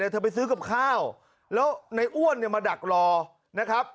เธอไปซื้อกับข้าวแล้วในอ้วนมาดักรอนะครับ